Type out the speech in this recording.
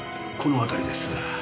この辺りです。